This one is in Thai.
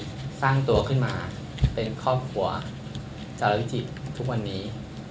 ที่จะเป็นจุดที่สร้างตัวขึ้นมาเป็นครอบครัวจารกลิ่นที่เป็นจิตทุกวันนี้